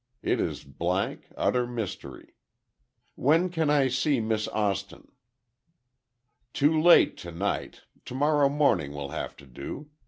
It is blank, utter mystery. When can I see Miss Austin?" "Too late tonight, tomorrow morning will have to do.